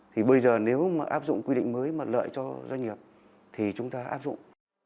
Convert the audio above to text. thì bây giờ nếu mà áp dụng quy định mới mà lợi cho doanh nghiệp thì chúng ta áp dụng